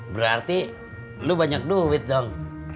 berarti lu banyak duit dong